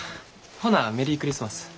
ほなメリークリスマス。